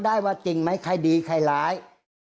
ได้ว่าจริงไหมใครดีใครร้าย